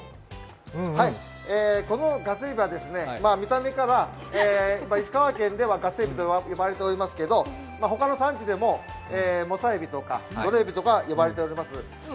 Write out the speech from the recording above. このガスエビは見た目から、石川県ではガスエビと呼ばれておりますけど他の産地でもモサエビとかドロエビとか呼ばれております。